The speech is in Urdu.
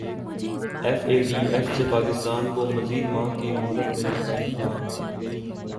ایف اے ٹی ایف سے پاکستان کو مزید ماہ کی مہلت ملنے کا امکان